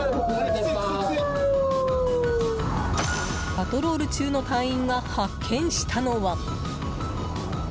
パトロール中の隊員が発見したのは。